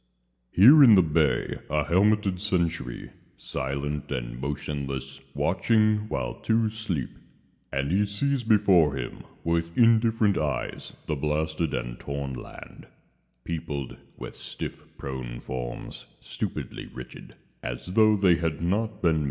Here in a bay, a helmeted sentry Silent and motionless, watching while two sleep, And he sees before him With indifferent eyes the blasted and torn land Peopled with stiff prone forms, stupidly rigid, As tho' they had not been men.